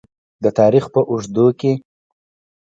د تاریخ په اوږدو کې.